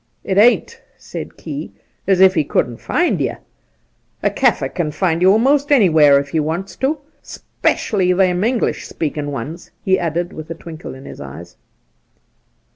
'It ain't,' said Key, 'es if he couldn't, find you. A Kaffir kin find you most anywhere if he wants to — 'specially them English speakin' ones,' he added, with a twinkle in his eyes.